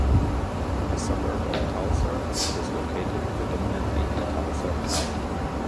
A suburb of Tulsa, it is located predominantly in Tulsa County.